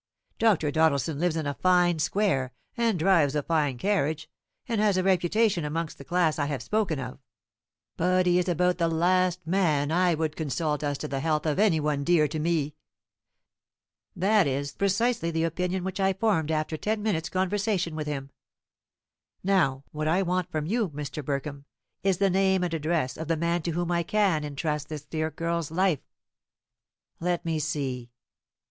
Dr. Doddleson lives in a fine square, and drives a fine carriage, and has a reputation amongst the class I have spoken of; but he is about the last man I would consult as to the health of any one dear to me." "That is precisely the opinion which I formed after ten minutes' conversation with him. Now, what I want from you, Mr. Burkham, is the name and address of the man to whom I can intrust this dear girl's life." "Let me see.